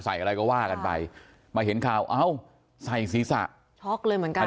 อะไรก็ว่ากันไปมาเห็นข่าวเอ้าใส่ศีรษะช็อกเลยเหมือนกัน